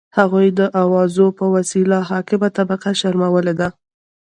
هغوی د اوازو په وسیله حاکمه طبقه شرمولي ده.